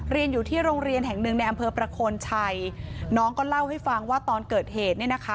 เรียนอยู่ที่โรงเรียนแห่งหนึ่งในอำเภอประโคนชัยน้องก็เล่าให้ฟังว่าตอนเกิดเหตุเนี่ยนะคะ